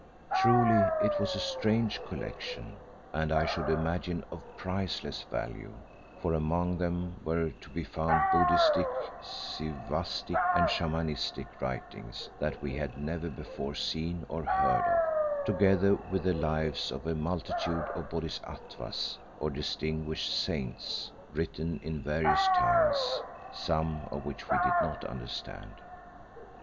Truly it was a strange collection, and I should imagine of priceless value, for among them were to be found Buddhistic, Sivaistic and Shamanistic writings that we had never before seen or heard of, together with the lives of a multitude of Bodhisatvas, or distinguished saints, written in various tongues, some of which we did not understand.